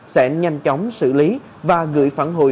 sẽ nhanh chóng xử lý và gửi phản hồi